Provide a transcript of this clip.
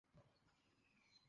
আমি কোনদিন তোকে কুপাবো।